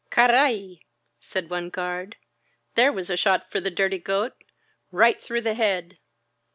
Carrair* said one guard. *^There was a shot for the dirty goat! Right through the head!"